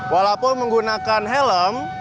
walaupun menggunakan helm